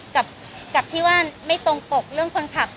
กับที่ว่าไม่ตรงปกเรื่องคนขับ